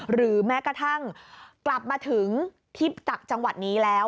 หรือแม้กระทั่งกลับมาถึงที่จากจังหวัดนี้แล้ว